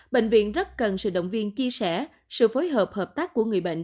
bệnh viện rất cần sự động viên chia sẻ sự phối hợp hợp tác của người bệnh